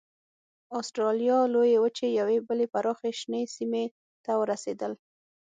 اسټرالیا لویې وچې یوې بلې پراخې شنې سیمې ته ورسېدل.